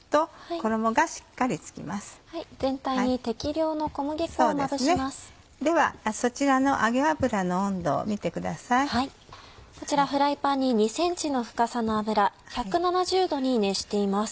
こちらフライパンに２ｃｍの深さの油１７０℃に熱しています。